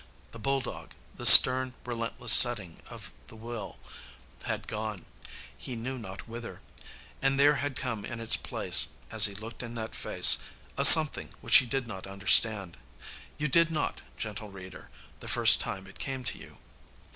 The bulldog, the stern, relentless setting of the will, had gone, he knew not whither. And there had come in its place, as he looked in that face, a something which he did not understand. You did not, gentle reader, the first time it came to you.